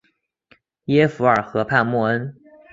耶弗尔河畔默恩。